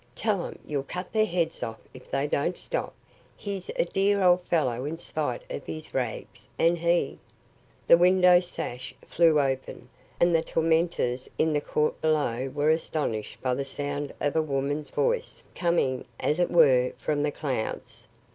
Tell 'em you'll cut their heads off if they don't stop. He's a dear old fellow in spite of his rags, and he " The window sash flew open and the tormentors in the court below were astonished by the sound of a woman's voice, coming, as it were, from the clouds.